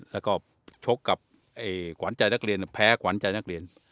แล้วก็ชกกับแฮะกวันแจนักเรียน